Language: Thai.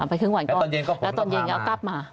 เอาไปครึ่งวันก่อนแล้วตอนเย็นก็ผลก็ผ่ามา